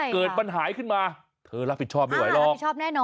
เกิดปัญหาขึ้นมาเธอรับผิดชอบไม่ไหวหรอก